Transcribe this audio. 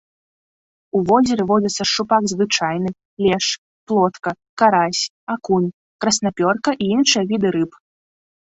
У возеры водзяцца шчупак звычайны, лешч, плотка, карась, акунь, краснапёрка і іншыя віды рыб.